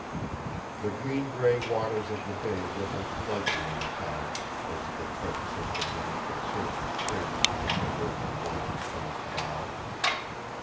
The green gray waters of the bay rippled lightly in the tide as the tug sent the miniature surges trailing in diverging lines from its bow.